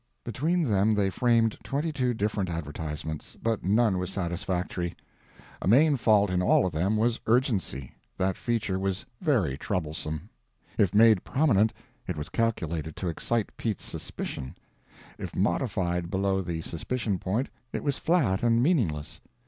Between them they framed twenty two different advertisements, but none was satisfactory. A main fault in all of them was urgency. That feature was very troublesome: if made prominent, it was calculated to excite Pete's suspicion; if modified below the suspicion point it was flat and meaningless.